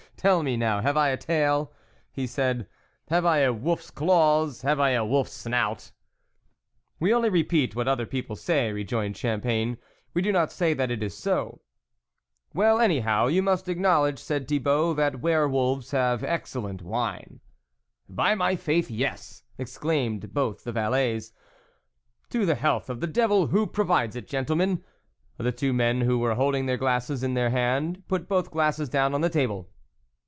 "Tell me, now, have I a tail ?" he said, " have I a wolf's claws, have I a wolfs snout ?"" We only repeat what other people say," rejoined Champagne, " we do not say that it is so." "Well, anyhow, you must acknow ledge," said Thibault, " that were wolves have excellent wine." " By my faith, yes !" exclaimed both the valets. " To the health of the devil who pro vides it, gentlemen." The two men who were holding their glasses in their hand, put both glasses down on the table.